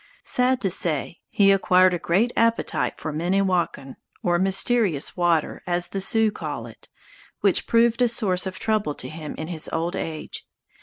Sad to say, he acquired a great appetite for "minne wakan", or "mysterious water", as the Sioux call it, which proved a source of trouble to him in his old age.